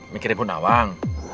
mikirin pun awang